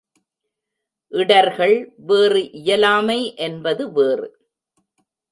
இடர்கள் வேறு இயலாமை என்பது வேறு.